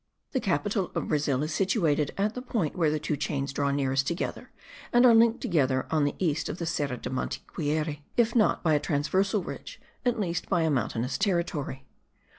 The capital of Brazil is situated at the point where the two chains draw nearest together and are linked together on the east of the Serra de Mantiqueira, if not by a transversal ridge, at least by a mountainous territory.